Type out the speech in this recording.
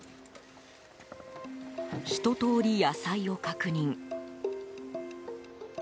ひととおり野菜を確認。